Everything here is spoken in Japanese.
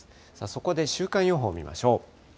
そこで週間予報見ましょう。